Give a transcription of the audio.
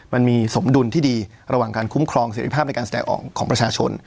มันมีสมดุลที่ดีระหว่างการคุ้มครองเสร็จภาพในการแสดงออกของประชาชน